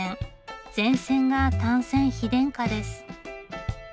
全線が単線・非電化です。